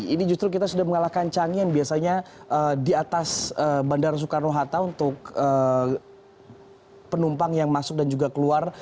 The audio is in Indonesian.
ini justru kita sudah mengalahkan cangi yang biasanya di atas bandara soekarno hatta untuk penumpang yang masuk dan juga keluar